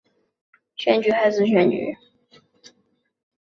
除了选举还是选举